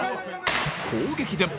攻撃でも